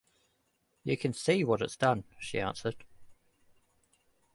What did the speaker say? “You can see what it’s done,” she answered.